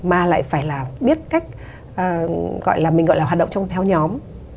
mà lại phải là biết cách gọi là mình gọi là hoạt động trong theo nhóm